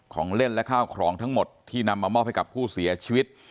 ของเล่นและข้าวของทั้งหมดที่นำมามอบให้กับผู้เสียชีวิต